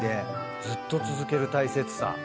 ずっと続ける大切さ。